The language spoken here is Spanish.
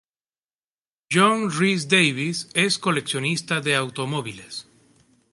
John Rhys-Davies es coleccionista de automóviles.